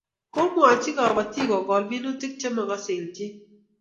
Kimwochi kobotik kogol minutik che mokosei ilchet